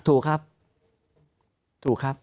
ถูกครับถูกครับ